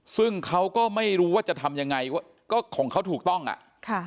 ซึ่งเขาก็ไม่รู้ว่าจะทำยังไงก็ของเขาถูกต้องอ่ะค่ะ